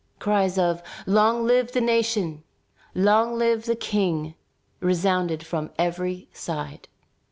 Cries of "Long live the nation! Long live the King!" resounded from every side.